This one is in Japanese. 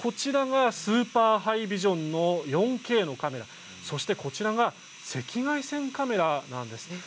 スーパーハイビジョンの４Ｋのカメラそして右側は赤外線カメラです。